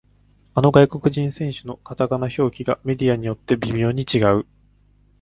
あの外国人選手のカタカナ表記がメディアによって微妙に違う